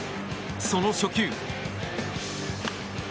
その初球。